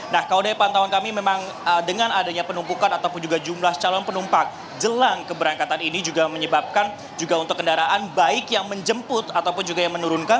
nah kalau dari pantauan kami memang dengan adanya penumpukan ataupun juga jumlah calon penumpang jelang keberangkatan ini juga menyebabkan juga untuk kendaraan baik yang menjemput ataupun juga yang menurunkan